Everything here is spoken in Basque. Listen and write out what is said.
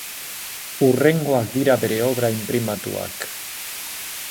Hurrengoak dira bere obra inprimatuak.